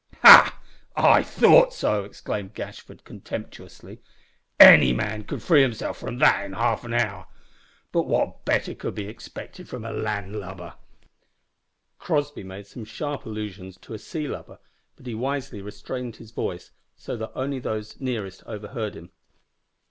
"Ha! I thought so!" exclaimed Gashford, contemptuously. "Any man could free himself from that in half an hour. But what better could be expected from a land lubber?" Crossby made some sharp allusions to a "sea lubber," but he wisely restrained his voice so that only those nearest overheard him.